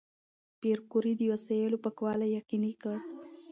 پېیر کوري د وسایلو پاکوالی یقیني کړ.